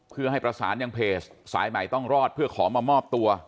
เพื่อให้ประสานยังเพจสายใหม่ต้องรอดเพื่อขอมามอบตัว